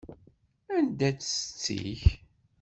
Anda-tt setti-k?